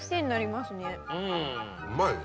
うまいね。